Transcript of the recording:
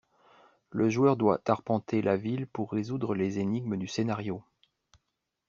Le joueur doit arpenter la ville pour résoudre les énigmes du scénario.